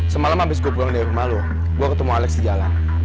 semalam abis gue pulang dari malu gue ketemu alex di jalan